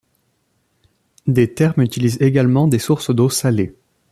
Des thermes utilisent également des sources d'eau salée.